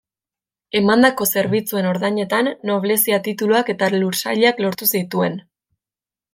Emandako zerbitzuen ordainetan, noblezia-tituluak eta lursailak lortu zituen.